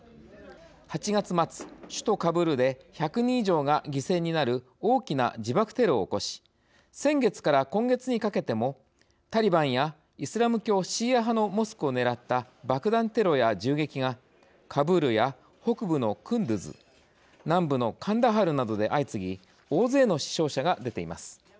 ８月末首都カブールで１００人以上が犠牲になる大きな自爆テロを起こし先月から今月にかけてもタリバンやイスラム教シーア派のモスクを狙った爆弾テロや銃撃がカブールや北部のクンドゥズ南部のカンダハルなどで相次ぎ大勢の死傷者が出ています。